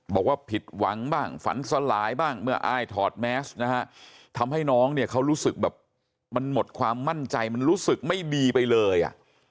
บอกว่าผิดหวังบ้างฝันสลายบ้างเมื่ออายถอดแมสนะฮะทำให้น้องเนี่ยเขารู้สึกแบบมันหมดความมั่นใจมันรู้สึกไม่ดีไปเลยอ่ะ